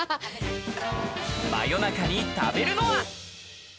真夜中に食べるのは。